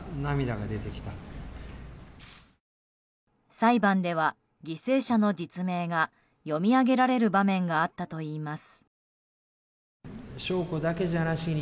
裁判では、犠牲者の実名が読み上げられる場面があったといいます。